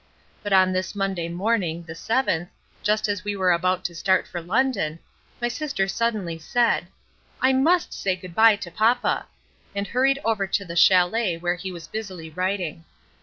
But on this Monday morning, the seventh, just as we were about to start for London, my sister suddenly said: "I must say good bye to papa," and hurried over to the châlet where he was busily writing.